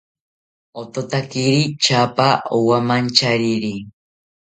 Ototakiri tyaapa owamantyariri